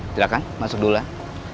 silahkan masuk dulu lah